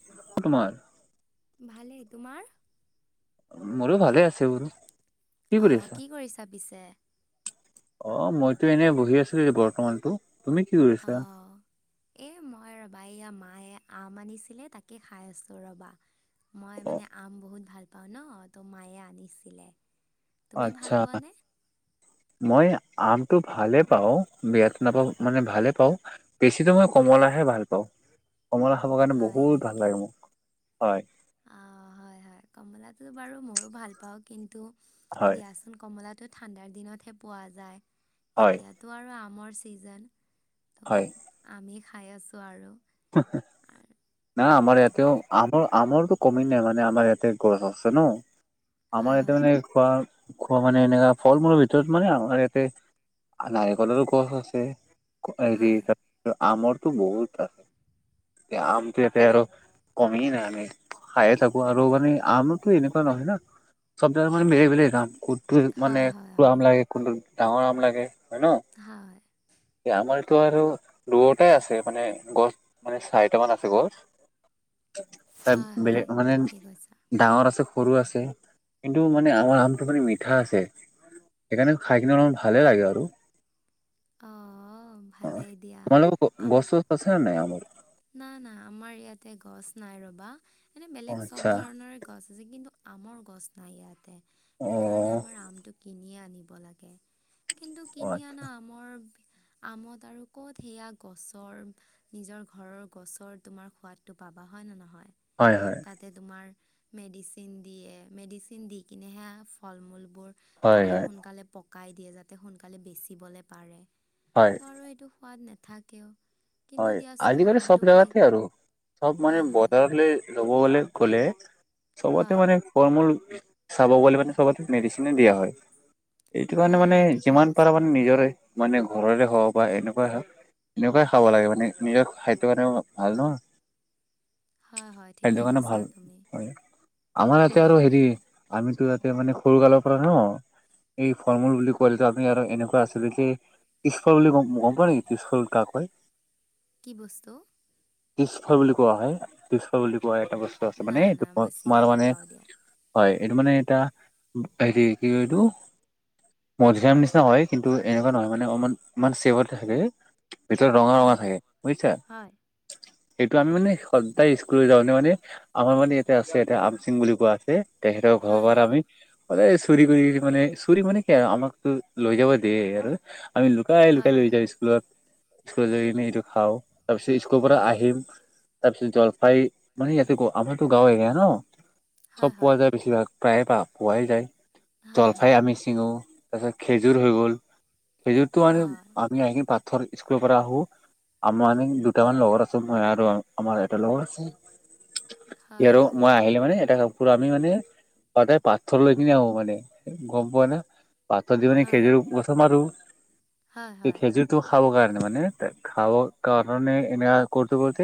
[unintelligible] তোমাৰ ভালেই তোমাৰ মোৰো ভালে আছে বলো অ কি কৰি পিচে অ মইতো এনেই বহি আছিলো বৰ্তমানতো তুমি কি অ কৰিছা এ মই ৰবা ইয়া মায়ে আম আনিছিলে তাকে খাই আছোঁ ৰ'বা মই অ মানে আম বহুত ভাল ন তোৰ মায়ে আনিছিলে তুমি ভাল আচ্ছা পোৱানে মই আমটো ভালে পাও বেয়াাত নাপাওঁ মানে ভালে পাওঁ বেছি মই কমলাহে ভাল পাওঁ [unintelligible] কমল খাবৰ কাৰণে হয় বহুত ভাল লাগে মোক হয় অ হয় হয় কমলাটো বাৰু ময়ো ভাল পাওঁ কিন্তু হয় দিয়াচোন কমলা ঠাণ্ডাৰ দিনতহে পোৱা যায় হয় এতিয়াতো আৰু আমৰ ছিজন ' আমি খাই আছো আৰু [unintelligible] হয় টো কমি নাই মানে আমাৰ ইয়াতে গছ আছে ন আমাৰ হয় হয় ইয়াতে হয় মানে খোৱা খোৱা মানে এনেকা ফল মূলৰ ভিতৰত মানে আমাৰ ইয়াতে নাৰিকলৰো গছ আছে হেৰি আমৰটো বহুত আছে আমটোতে আৰু কমি ন আমি খায়ে থাকো আৰু মানে আমোতো এনেকুৱা নহয় না চব জাগা মানে [unintelligible] মেলে যাম ক'ত মানে হয় হয় ক আম হয় লাগে কোনটো ডাঙৰ আম লাগে হয় ন হয় আমাৰ তো আৰু দৰটাই আছে মানে গছ মানে চাৰিটা মান আছে গছ তাই হয় বেলেগ হয় মানে ঠিকেই কৈছা ডাঙৰ আছে সৰু আছে কিন্তু মানে আমাৰ আমটো মানে মিঠা আছে সেইকাৰণে খাই কিনে অলমান ভালে লাগে আৰু অঁ অ ভালেই দিয়া তোমালোকৰ গছ চছ আছে নাই আমাৰ নাই না আমাৰ ইয়াতে গছ নাই ৰবা এনে অ বেলেগ চব আচ্ছা ধৰণৰে গছ আছে কিন্তু আমৰ গছ নাই ইয়াতে অ সেইকাৰণে আমাৰ আমটো কিনিয়ে আনিব লাগে কিন্তু অ কিনি আনা আমৰ আমত আৰু ক'ত সেয়া গছৰ নিজৰ ঘৰৰ গছৰ তোমাৰ সোৱাদটো পাবা হয় ন নহয় হয় হয় তাতে তোমাৰ মেডিচিন দিয়ে মেডিচিন দি কিনে হে ফল মূল বোৰ হয় তোমাৰ হয় সোনকালে পকাই দিয়ে যাতে সোনকালে বেচিবলে পাৰে হয় ত আৰু এইটো সোৱাদ নাথাকেও কিন্তু হয় দিয়াচোন আজিকালি চব আমটো খাই জেগাতে আৰু চব মানে হয় হয় বজাৰলে ল'ব গলে গ'লে চবতে হয় মানে ফৰ্মূল চাব গ মানে সব মেডিচিন দিয়া হয় এইটো কাৰণে হয় মানে হয় ঠিকেই যিমান পাৰা কৈছা। মানে নিজৰে মানে ঘৰৰে হওক বা এনেকুৱা হওক এনেকুৱা। খাব লাগে মানে নিজৰ খাদ্য কাৰানে ভাল নহ হয় হয় খাদ্য ঠিকেই কাৰানে কৈছা ভাল তুমি হয় আমাৰ ইয়াতে হয় আৰু হেৰি আমিতো তাতে মানে খৰু কালৰ পৰা ন এই ফল মূল বুলি ক'লে আমি আৰু এনেকুৱা আছিলে যে পিছফৰ কি বস্তু পিছফৰ বুলি কোৱা হয় পিছফ বুলি কোৱা হয়। এটা বস্তু আছে মানে নাই এইটো নাই মই চিনি তোমাৰ মানে নাপাওঁ দিয়া হয় এইটো মানে এটা হেৰি কি এইটো মধিৰীয়াম নিচিনা হয় কিন্তু এনেকুৱা নহয় মানে অ ইমান চেফতে থাকে ভিত ৰঙা ৰঙা হয় থাকে বুজিছা হয় সেইটো আমি মানে সদায় যাও নে মানে আমাৰ মানে ইয়াতে আছে এ আমচিং বুলি কোৱা আছে। তেহেত হয় ঘৰৰবাৰ হয় আমি মানে চুৰী কৰি মানে চুৰী মানে কি আৰু আমাকতো লৈ যাব দিয় আৰু আমি লুকাই হয় লুকাই লৈ যাম স্কুলত স্কুলত যৈ কিনে এইটো খাওঁ তাৰ পিছত স্কুলৰ পৰা আহিম তাৰপিছত জলফাই মানে ইয়াতে গ আৰতো গাঁৱ এৰি ন চব হয় হয় পোৱা যায় বেছিভাগ প্ৰায়ে প পোৱাই যায় হয় জলফাই হয় হয় আমি ছিঙো তাৰ পিছত খেজুৰ হৈ গ'ল খেজুৰতটো মানে আমি আহিন পাথৰ স্কুলৰ পৰা আহো আমাৰ দুটামান লগৰ আছো মই আৰু আমাৰ এটা লগৰ আছো সি হয় আৰু হয় মই আহিলে মানে এটা ক আমি মানে সদায় পাথৰ লৈ পিনে আহো মানে গম পোৱা না পাথৰ দি পি খেজুৰ গছ মাৰো হয় হয় হয় খেজুৰটো খাই খাব কাৰণে মানে খাব কাৰণে এনে কৰটো কৰটো।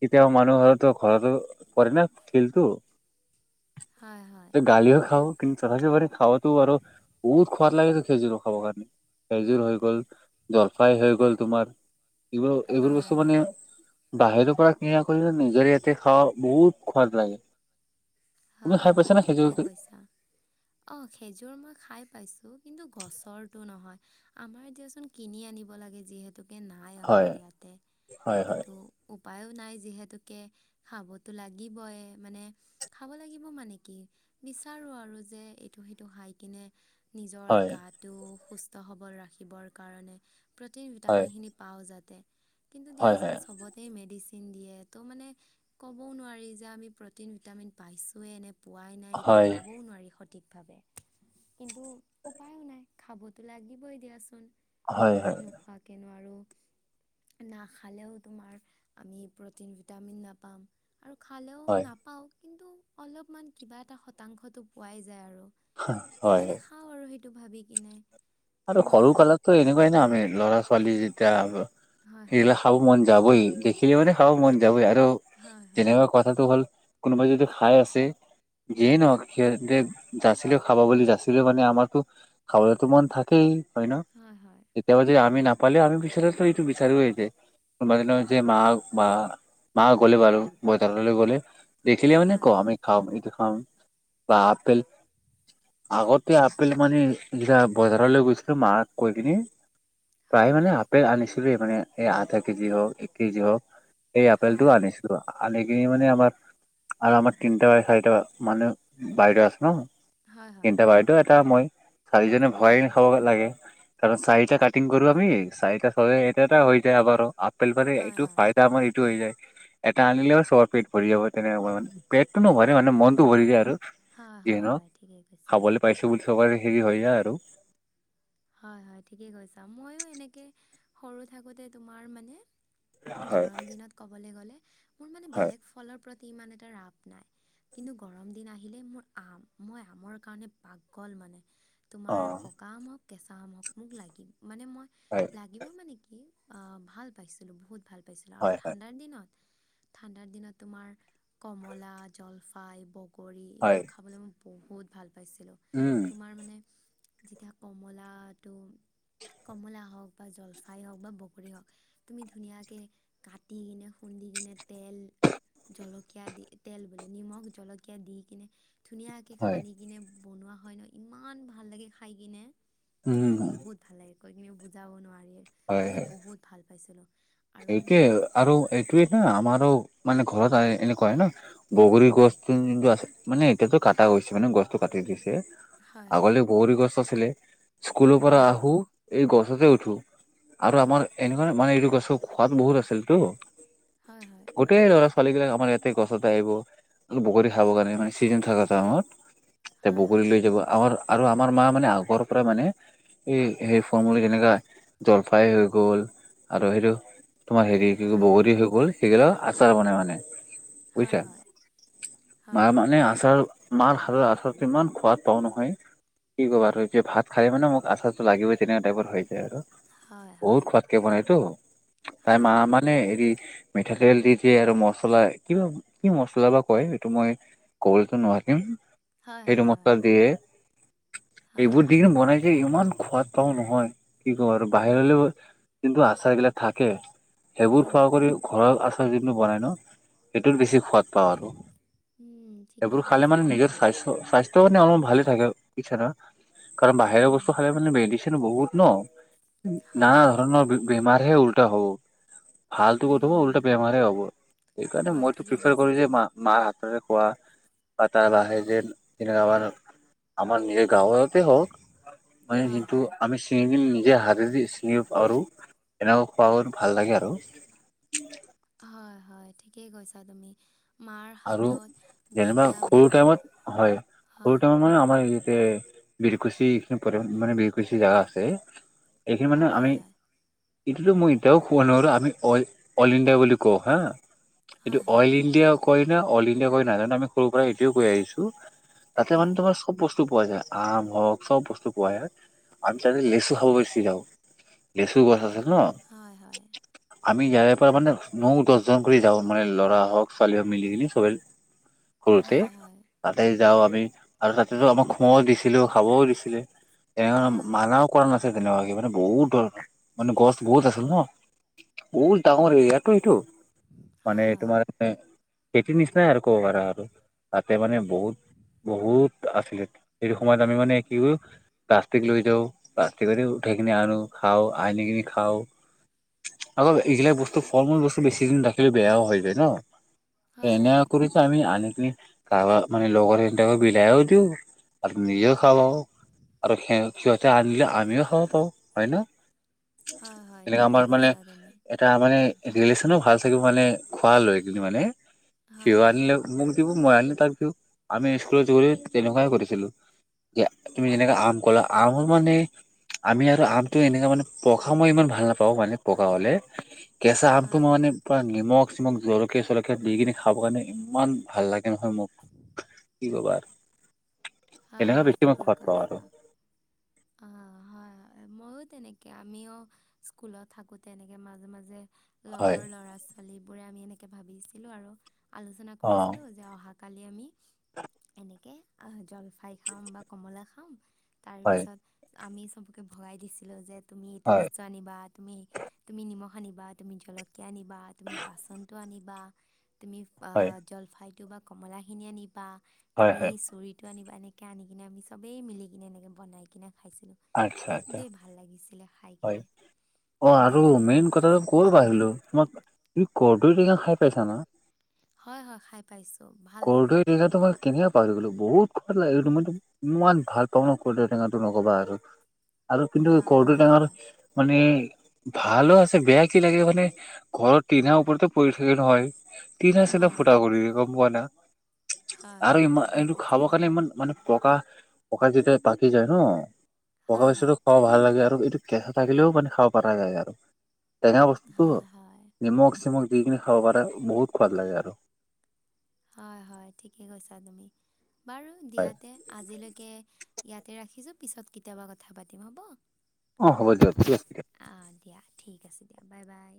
কেতিয়াও মানুহ হয়তো ঘৰতৰতো পৰেনা শিলটো হয় হয় গালিও খাওঁ কিন্তু তথাপিও আৰু খাৱাটো আৰু, বহুত সোৱাদ লাগেতো খেজুৰো খাব কাৰণে, খেজুৰ হৈ গ'ল, জলফাই হৈ গ'ল তোমাৰ৷ এইবোৰ এইবোৰ হয় হয় বস্তু মানে হয় বাহিৰৰ পৰা কিনা কৰিলে নিজৰ ইয়াতে খাৱা বহুত খোৱাদ লাগে৷ তুমি হয় খাই পাইছা হয় নে ঠিকেই খেজুৰটো কৈছা৷ অঁ খেজুৰ মই খাই পাইছো৷ কিন্তু গছৰটো নহয়, আমাৰ দিয়াচোন কিনি আনিব লাগে যিহেতু৷ টোকে নাই আমাৰ হয় ইয়াতে, হয় হয় কিন্তু উপায়ো নাই যি যিহেতুকে খাবতো লাগিবই৷ মানে খাব লাগিব মানে কি? বিচাৰো আৰু যে এইটো সেইটো খাই কিনে নিজৰ হয় গাটো সুস্থ-সবল ৰাখিবৰ কাৰণে, প্ৰটিন হয় ভিটামিনখিনি পাওঁ যাতে৷ কিন্তু হয় দিয়াচোন হয় চবতে মেডিচি মিন দিয়ে, ত' মানে ক'বও নোৱাৰি যে আমি প্ৰটিন, ভিটামিন পাইছোয়ে নে? পোৱাই নাই, এইটো হয় ক'বও নোৱাৰি স সঠিকভাৱে৷ কিন্তু উপায়ো নাই, খাবতো লাগিবই দিয়াচোন৷ হয় হয় নোখোৱাকেনো আৰু [inaudible] নাখালেও তোমাৰ আমি প্ৰটিন ভিটামিন নাপাম৷ আৰু খালেও হয় নাপাওঁ, কিন্তু অলপমান কিবা এটা শতাংশটো পোৱাই যায় আৰু৷ হয় সিটোকাৰণে খাও আৰু সেইটো ভাবি কিনে৷ অতো সৰু তোমাৰ কালততো এনেকুৱাই ন আমি? ল'ৰা-ছোৱালী যেতিয়া হয় সেইগিলা হয় খাব মন যাবই৷ দেখিলে মানে খাব মন যাবই আৰু৷ তো হয় তেনেকুৱা কথাটো হ'ল, কোনোবাই যদি খাই আছে, যিয়েই নহওক সিহঁতে যাচিলেও খাব বুলি, যাচিলেও মানে আমাৰতো খাবলৈতো মন থাক কেই, হয় ন? কেতিয়াবা যদি আমি নাপালেও আমি [unintelligible] এইটো বিচাৰো [unintelligible] কোন্‌বা দিনা যে মা-বা-মা গ'লে বাৰু, বজাৰলে গ'লে, দেখিলে মানি হয় হয় কওঁ, আমি খাম এইটো৷ অ বা আপেল৷ আগতে আপেল মানে যেতিয়া বজাৰ ঘৰলৈ গৈছিলো মাক কৈ কিনি, প্ৰায় হয় মানে হয় আপেল আনিছিল মানে এই আধা কেজি হওক এক কেজি হওক, এই আপেলটো হয় আনিছিলো, আনি আনি মানে আমাৰ আৰু আমাৰ তিনিটা বা চাৰিটা মানুহ-বাইদ' আছে ন! হয় হয় হয় হয় হয় তিন্‌টা বাইদ' এটা মই, চাৰিজনে ভগায় হয় কাৰণ চাৰিটা একটিং কৰো আমি চাৰিটা চবে এটা-এটা হৈ যায় আগৰু আপেল পালে এইটো হয় ফাইদা আমাৰ এইটো হৈ যায়৷ ঠিক এটা আনিলেও চবৰ পেট ভৰি যাব তেনেকুৱা মানে পেট টো নভৰে মানে মনটো ভৰি যায় আৰু হয় হয় যিয়ে হয় নহওক হয় ঠিকেই কৈছা খাবলৈ পাইছো বুলি চবাৰে হেৰি হৈ যায় আৰু৷ হয় হয় ঠিকেই কৈছা ময়ো এনেকে সৰু থাকোতে তোমাৰ মানে হয় গৰম দিনত ক'বলে গ'লে মোৰ মানে হয় বেলেগ ফলৰ প্ৰত ইমান এটা ৰাপ নাই৷কিন্তু গৰম দিন আহিলে মোৰ আম, মই আমৰ কাৰণে পাগল মানে৷ অ তোমাৰ পকা আম হক কেঁচা আম হক মোক লাগি মানে মই হয় লাগিব মানে কি? অ, ভাল পাইছিলোঁ বহুত ভাল পাইছিলোঁ৷ আৰু হয় হয় ঠাণ্ডাৰ দিনত ঠাণ্ডাৰ দিনত তোমাৰ কমলা, জলফাই, বগ গৰী হয় এইবোৰ খাবলৈ মই বহুত ভাল পাইছিলো উম তোমাৰ মানে যেতিয়া কম কমলাটো কমলা হওক বা জলফাই হওক বা বগৰী হওক তুমি ধুনীয়াকে কাটি কিনে শুৰো দি কিনে তেল-জলকীয়া দি তেল বোলে নিমখ, জলকীয়া দি কিনে ধুনীয়াকে হয় সানি কিনে বনোৱা হয় নহয় ইমান ভাল লাগে খাই কিনে৷ অ উম বহুত ভাল লাগে কৈ কিনি বুজাব নোৱাৰি, হয় মইতো হয় বহুত ভাল পাইছিলো৷ সেইটোৱে আৰু এইটোৱেই না, আমাৰো মানে ঘৰত আ-এনেকুৱা হয় ন, বগৰী গছ [unintelligible] আছে মানে এতিয়াটো কাটা গৈছে মানে গছটো কাটি দিছে৷ হয় হয় আগতে বৰী গছ আছিলে স্কুলৰ পৰা হয় হয় আহো এই গছ গছতে উঠো আৰু আমাৰ এনেকুৱে মানে এইটো গছৰ খোৱাদ বহুত আছিলতো। হয় গোটেই আহ ধ পোৱালী বিলাক আমাৰ ইয়াতে গছতে আহিব বগৰী খাব কাৰণে মানে চিজন থাক ত তে হয় বগী হয় লৈ যাব আমাৰ আৰু আমাৰ মা মানে আগৰ পৰাই মানে এই সে ফল মূল যেনেকা জলফাই হৈ গ'ল আৰু সেইটো তোমাৰ হেৰি কি হয় হয় বগৰী হৈ গ'ল সেইগিলা আচাৰ বনাই মানে হয় বুজিছা হয় মা হয় মানে আচাৰ মাৰ হাত আচাৰ ইমান খোৱাদ পাও নহয় কি ক'ব আৰু এতিয়া ভাত খাই মানে মোক আচাটো লাগিবই তেনেকুৱা টাইপৰ হৈ যায় আৰু হয় হয় হয় বহুত খোৱাতকে বনাইতো তাই হয় মা হয় মানে হৰি। মিঠাতেল দি দিয়ে আৰু মছলা কিবা কি মছলা বা কয় সেইটো মই কলটো নোৱাৰিম হয় হয় সেইটো হয় মছা দিয়ে হয় এইবোৰ দিন বনাই যে ইমান খোৱাদ পাও নহয় কি ক আৰু বাহিৰলৈও কিন্তু আচাৰগিলা থাকে সেইবোৰ উম খোৱা কৰি ঘৰৰ আচাৰ যোনতো বনাই ন সেইটোত বেছি সোৱাদ পাওঁ আৰু উম সেইবোৰ ঠিকেই খালে মানে কৈছা নিজৰ স্বাস্থ্য স্বাস্থ মানে অলপ ভালে থাকে [unintelligible] ন কাৰণ বাহিৰৰ বস্তু উম, খালে মানে মেডিচিন ন বহুত ন হয় নানা হয়, ধৰণৰ বেমাৰহে উল্টা হ'ব। ভালটো কব উম, উল্টা বেমাৰে হ'ব। সেইকাৰণে হয় মইতো ঠিকেই প্ৰিফাৰ কৈছা কৰো যে তুমি। মাৰ হাতৰে খোৱা বা তাৰ বাহিৰে যে তেনেকুৱা আমাৰ আমাৰ নিজে গাঁৱত হওক মানে হয় যিহেতু হয়, আমি চিঙি দিল নি যে হাতেদি চিঙ এনেকা খোৱা ভাল লাগে আৰু হয়। হয় ঠিকেই কৈছা তুমি। মাৰ আৰু হাতত যেনিবা যেতিয়া সৰু বন টাইমত হয় সৰু হয় টাইমত মানে আমাৰ ই বীৰকুচিখ মানে বীৰকুছি জোগা আছে এইখিনি মানে হয় আমি হয়, এইটোতো মই এতিয়াও কুব নোৱাৰোঁ আমি অ অল ইণ্ডিয়া বুলি কওঁ হা এইটো হয় হয়, অইল ইণ্ডিয়া কয় ন অইল ইণ্ডিয়া কয় ন জানো আমি সৰুৰ পৰা এইটোয়ে কৈ আহিছো তাতে মানে হয়, তোমাৰ চব বসু বস্তু পোৱা যায় আম হওক চব বস্তু পোৱা যায় আমি তাতে লেচু খাব বেছি যাওঁ [unintelligible] ন হয় হয়, আমি ইয়াৰে পৰা মানে ন দহজন কৰি যাওঁ মানে ল'ৰা হওক ছোৱালী মিলি জি চবে কৰোতে হয় হয়। তাতে যাওঁ আমি আৰু তাতেতো আমাক খুৱও দিছিলো খাবও দিছিলে তেনে হয় হয়, মানাও কৰা নাছিল তেনেকোআকে মানে বহত মানে গছ বহত আছিল ন হয় হয়, [unintelligible] খেইতিৰ নিচিনাই আৰু ক' পৰাৰা আৰু তাতে মানে বহুত বহুত আছিলে সেইটো সময়ত আমি মানে কি কৰ প্লাষ্টিক লৈ যাওঁ প্লাষ্টিকৰে উঠি কিনে আনো খাওঁ আনি কিিনি খাওঁ অকলৌ এইগিলাক বস্তু কলৰ্মল বস্তু বেছি দিন ৰাখিলে বেয়াও হৈ যায় ন হয় এনে হয়, কৰি যে আমি আনি কাৰবাৰ মানে লগৰ এাক বিলায়ও দিওঁ আৰু নিজেও খাবা আৰু স সিহঁতে আনিলে আমিও খাব পাওঁ হয় ন হয় হয় এনেকা ঠিকেই আমাৰ মানে কৈছা তুমি। এটা মানে ৰিলেচনো ভাল থাকিব মানে [unintelligible] হয় হয়, তাপিও আমি স্কুলত জৰি তেনেকুৱাই কৰিছিলো যে তুমি যেনেকে আম কলা আমৰ মানে আমি আৰু আমটো এনেককাে মানে পকা মই ইমান ভাল নাপাওঁ মানে পকা হলে কেঁচা আমটো হয়, মই মানে পৰা নিমখ চিমখ জলকা চলকিআ দি কিনি খাব কাৰণে ইমান ভাল লাগে নহয় মোক কি কবা হয় এনেকা হয় বেছি ময় ঠিকেই খৰত পাৱ কৈছা। আৰু অ হয় হয় ময়ো তেনেকৈ আমিও স্কুলত থাকোঁ তেনেকৈ মাজে মাজে হয় লগৰ ল'ৰা ছোৱালী বোৰে আমি এনেকে ভাবিছিলো আৰু আলোচনা অ কৰিছিলো যে অহা কালি আমি এনেকে জলফাই খাওঁ বা কমলা খাওঁ হয় তাৰপিছত আমি চবকে ভগাই দিছিলোঁ যে তুমি এইটো হয় বস্তু আনিবা তুমি তুমি নিমখ আনিবা তুমি জলক আনিবা তুমি বাচন আনিবা তুমি হয় জ বা কমলা খিনি আনিবা হয় তুমি হয় চুৰিতটো আনিবা তেনেকৈ আনি কিনে আমি চবেই মিলিকনে এনেকৈ বনাই কিনে খাইছিলোঁ আচ্ছা তো আচ্ছা খুবেই ভাল লাগিছিলে খাই হয় কিনে অ আৰু তেনেকৈ মেইন যেতিয়া কথাটো চবেই ক'ৰ পৰা আহিলো তোমাক [unintelligible] খাই পাইছা না হয় হয় খাই পাইছো ভাল লাগে কৰদৈ টেঙাটো মই কেনেকে পাহৰি গ'লো বহুত খাদ লাগে এই মইো ইমান ভাল পাও ন ক টেঙাতটো নকবা আৰু আৰুপ হয় কটেঙ হয় আৰু হয় মানে ভালো আছে বেয়া কি লাগে মানে ঘৰৰ তিধা ওপৰতে পৰি থাকে নহয় তিনি হছে হয় ফুটা হয় কৰি গম পোৱা না হয় আৰু হয় ইমান ঠিকেই এইটো কৈছা খাব কাৰণে তুমি ইমান মানে পকা পকা যেতিয়া পাকি যায় ন পকা হয় হয় পাইচাো খাব ভাল লাগে আৰু এইটো কেঁচা থাকিলেও মানে খাব পৰা যায় আৰু টেঙা বস্তুতটো হয় হয় নিমখ চিমখ দি কি খাব পাৰে বহুত সোৱাদ লাগে আৰু হয় হয় ঠিকে কৈছা তুমি বাৰু হয় দিয়াতে আজিলৈকে ইয়াতে ৰাখিছোঁ পিছত কেতিয়াবা কথা পাতিম হ'ব অ হ'ব দিয়ক ঠিক আছে আ দিয়া ঠিক আছে দিয়া বাই বাই